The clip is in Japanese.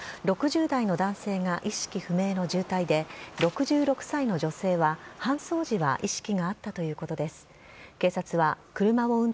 ２人は病院に搬送されましたが、６０代の男性が意識不明の重体で、６６歳の女性は搬送時は意識があったということです。